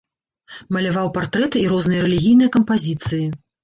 Маляваў партрэты і розныя рэлігійныя кампазіцыі.